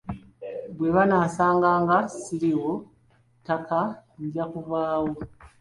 Bwe banaasanga nga sirinaawo ttaka nja kuvaawo.